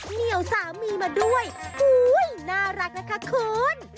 เหนียวสามีมาด้วยอุ้ยน่ารักนะคะคุณ